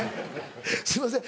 すいません